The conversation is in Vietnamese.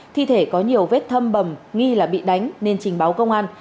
thi thể có nhiều vết thâm bầm nghi là bị đánh nên trình báo công an